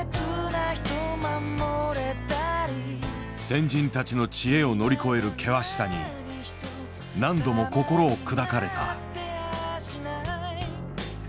先人たちの知恵を乗り越える険しさに何度も心を砕かれた。